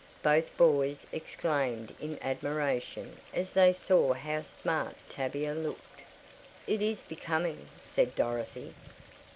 both boys exclaimed in admiration as they saw how "smart" Tavia looked. "It is becoming," said Dorothy.